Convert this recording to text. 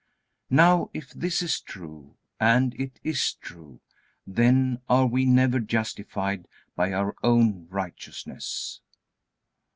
Now if this is true, and it is true, then are we never justified by our own righteousness.